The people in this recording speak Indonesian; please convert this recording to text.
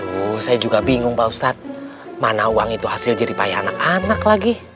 wuh saya juga bingung pak ustadz mana uang itu hasil jeripaya anak anak lagi